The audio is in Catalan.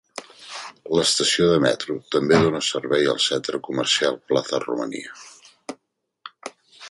L'estació de metro també dona servei al centre comercial Plaza Romania.